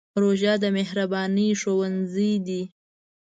روژه د مهربانۍ ښوونځی دی.